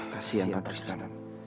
kasian pak tristan